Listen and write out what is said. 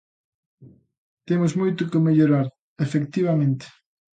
Temos moito que mellorar, efectivamente.